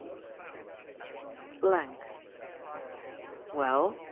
BLANK. *' Well